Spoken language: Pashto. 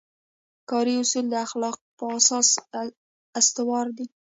کاري اصول د اخلاقو په اساس استوار دي.